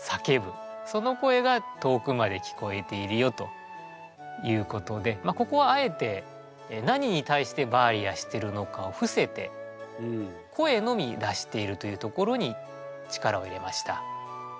その声が遠くまで聞こえているよということでここはあえて何に対して「バーリア」してるのかを伏せて声のみ出しているというところに力を入れました。